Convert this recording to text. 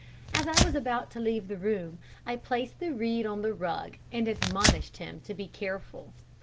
As I was about to leave the room, I placed the reed on the rug, and admonished him to be careful.